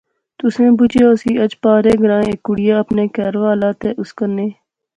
تسیں بجیا ہوسی اج پارے گراں ہیک کڑیا اپنا کہھر والا تے اس کنے